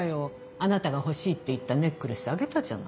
あなたが欲しいって言ったネックレスあげたじゃない。